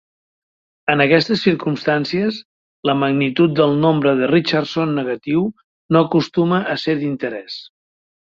En aquestes circumstàncies, la magnitud del nombre de Richardson negatiu no acostuma a ser d'interès.